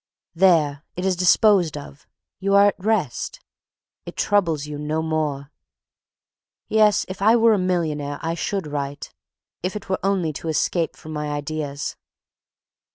There! it is disposed of. You are at rest. It troubles you no more. Yes; if I were a millionaire I should write, if it were only to escape from my ideas."